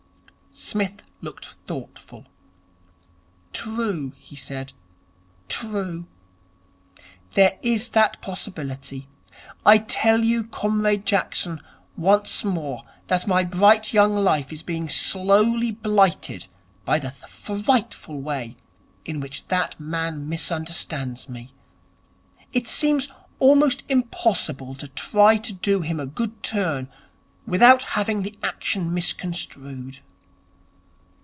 Psmith looked thoughtful. 'True,' he said, 'true. There is that possibility. I tell you, Comrade Jackson, once more that my bright young life is being slowly blighted by the frightful way in which that man misunderstands me. It seems almost impossible to try to do him a good turn without having the action misconstrued.'